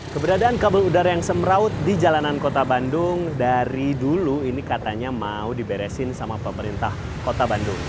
keberadaan kabel udara yang semraut di jalanan kota bandung dari dulu ini katanya mau diberesin sama pemerintah kota bandung